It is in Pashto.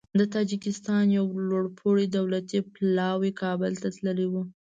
د تاجکستان یو لوړپوړی دولتي پلاوی کابل ته تللی دی.